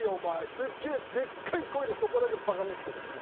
すっげえでっかい声でそこだけ「バカ息子」っつった。